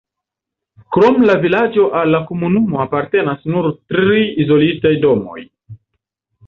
Krom la vilaĝo al la komunumo apartenas nur tri izolitaj domoj.